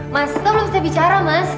mas kau belum bisa bicara mas